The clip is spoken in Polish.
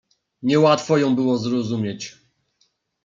"Nie łatwo ją było zrozumieć."